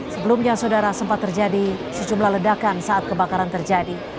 sebelumnya saudara sempat terjadi sejumlah ledakan saat kebakaran terjadi